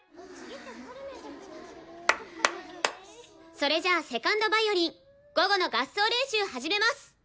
それじゃあ２ｎｄヴァイオリン午後の合奏練習始めます。